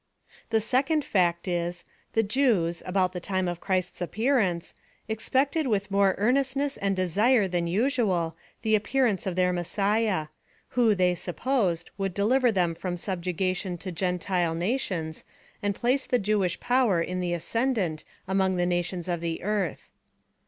A second fact is — The Jews, about the time of Christ's appearance, expected with more earnest ness and desire than usual, the appearance of their Messiah, who, they supposed, would deliver them from subjection to Gentile nations, and place the Jewish power in the ascendant among the nations of the earth.